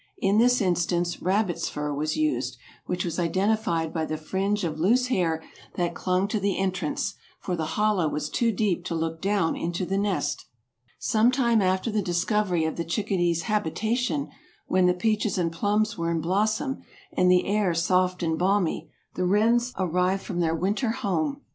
In this instance rabbit's fur was used, which was identified by the fringe of loose hair that clung to the entrance, for the hollow was too deep to look down into the nest. Some time after the discovery of the chickadees' habitation, when the peaches and plums were in blossom and the air soft and balmy the wrens arrived from their winter home.